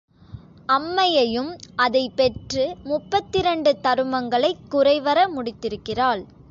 அம்மையுைம் அதைப் பெற்று முப்பத்திரண்டு தருமங்களைக் குறைவற முடித்திருக்கிறாள்.